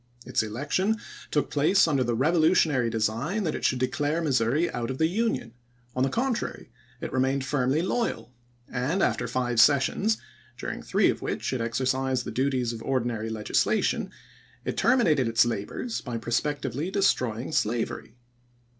Its election took place under the revolutionary design that it should declare Missouri out of the Union ; on the contrary, it remained firmly loyal; and after five sessions, during three of which it exercised the duties of ordinary legislation, it terminated its labors by prospectively destroying slavery.